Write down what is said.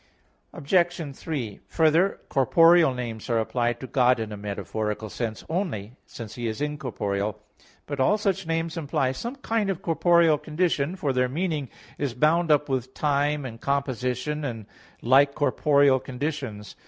Obj. 3: Further, corporeal names are applied to God in a metaphorical sense only; since He is incorporeal. But all such names imply some kind of corporeal condition; for their meaning is bound up with time and composition and like corporeal conditions.